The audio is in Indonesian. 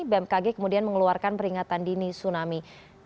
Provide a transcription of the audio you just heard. bmkg kemudian mengeluarkan peringatan dini tsunami